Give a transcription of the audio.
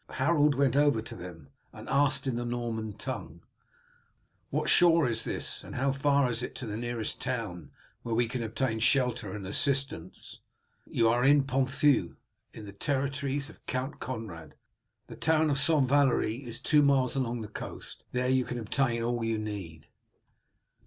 Harold went over to them, and asked in the Norman tongue: "What shore is this, and how far is it to the nearest town where we can obtain shelter and assistance?" "You are in Ponthieu, in the territories of Count Conrad. The town of St. Valery is but two miles along the coast. There you can obtain all you need."